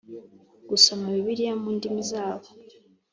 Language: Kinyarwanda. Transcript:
gusoma Bibiliya mu ndimi zabo